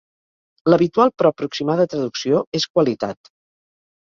L'habitual però aproximada traducció és "qualitat".